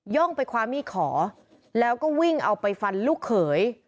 ่งไปคว้ามีดขอแล้วก็วิ่งเอาไปฟันลูกเขย